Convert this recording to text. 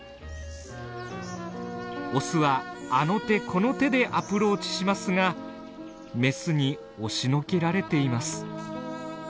オスはあの手この手でアプローチしますがメスに押しのけられています。